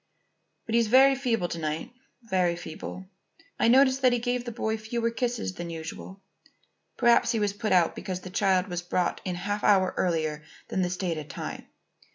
But he's very feeble to night, very feeble. I noticed that he gave the boy fewer kisses than usual. Perhaps he was put out because the child was brought in a half hour earlier than the stated time.